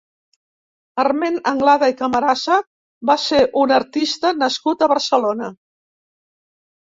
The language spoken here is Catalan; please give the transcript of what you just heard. Hermen Anglada i Camarasa va ser un artista nascut a Barcelona.